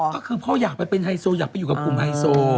ก็คือพ่ออยากไปเป็นไฮโซอยากไปอยู่กับกลุ่มไฮโซ